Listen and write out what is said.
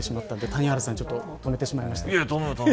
谷原さん、ちょっと止めてしまいました。